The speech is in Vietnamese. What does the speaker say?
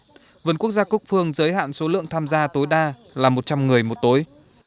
vườn quốc gia cúc phương giới hạn số lượng tham gia tối đa là một trăm linh người một tối